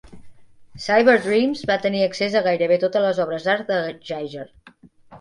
Cyberdreams va tenir accés a gairebé totes les obres d'art de Giger.